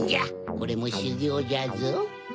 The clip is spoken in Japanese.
これもしゅぎょうじゃぞ？